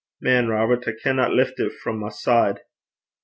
Man, Robert, I canna lift it frae my side.'